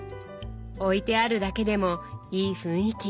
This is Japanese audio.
置いてあるだけでもいい雰囲気。